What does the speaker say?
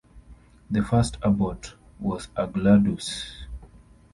The first abbot was Angloardus.